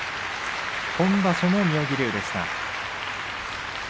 今場所も妙義龍でした。